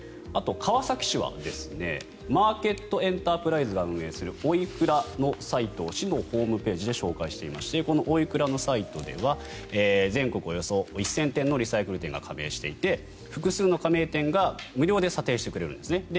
あと、川崎市はマーケットエンタープライズが運営する、おいくらのサイトを市のホームページで紹介していましてこのおいくらのサイトでは全国およそ１０００店のリサイクル店が加盟していて複数の加盟店が無料で査定してくれるんですね。